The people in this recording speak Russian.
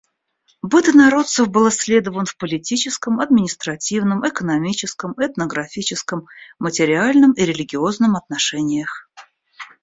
Быт инородцев был исследован в политическом, административном, экономическом, этнографическом, материальном и религиозном отношениях.